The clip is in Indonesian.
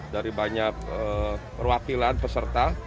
dari banyak perwakilan peserta